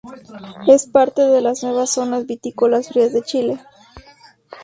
Es parte de las nuevas zonas vitícolas frías de Chile.